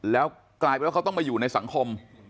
แล้วกลายเป็นว่าเขาต้องมาอยู่ในสังคม